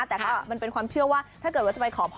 แต่ก็มันเป็นความเชื่อว่าถ้าเกิดว่าจะไปขอพร